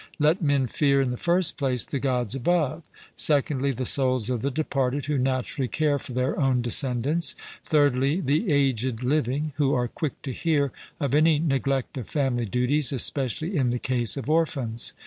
Let men fear, in the first place, the Gods above; secondly, the souls of the departed, who naturally care for their own descendants; thirdly, the aged living, who are quick to hear of any neglect of family duties, especially in the case of orphans.